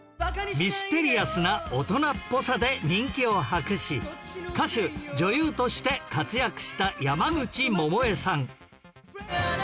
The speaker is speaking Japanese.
ミステリアスな大人っぽさで人気を博し歌手・女優として活躍した山口百恵さん